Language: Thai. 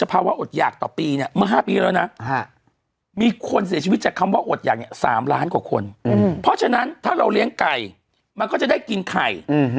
เพราะฉะนั้นถ้าเราเลี้ยงไก่มันก็จะได้กินไข่